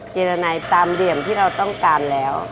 เจรนัยตามเหลี่ยมที่เราต้องการแล้ว